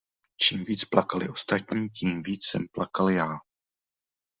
Čím víc plakali ostatní, tím víc jsem plakal já!